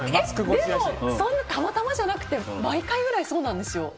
でも、たまたまじゃなくて毎回ぐらいそうなんですよ。